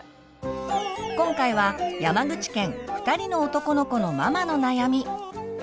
今回は山口県２人の男の子のママの悩み。